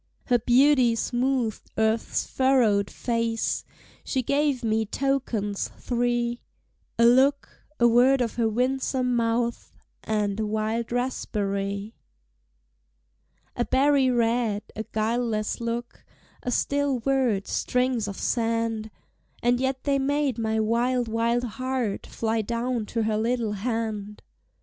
Her beauty smoothed earth's furrowed face! She gave me tokens three: A look, a word of her winsome mouth, And a wild raspberry. A berry red, a guileless look, A still word, strings of sand! And yet they made my wild, wild heart Fly down to her little hand.